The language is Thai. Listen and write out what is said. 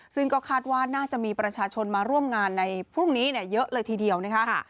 ซึ่งก็คาดว่าน่าจะมีประชาชนมาร่วมงานในพรุ่งนี้เยอะเลยทีเดียวนะคะ